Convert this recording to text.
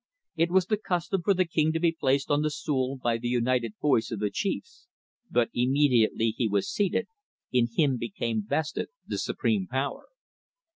It was the custom for the king to be placed on the stool by the united voice of the chiefs; but immediately he was seated in him became vested the supreme power.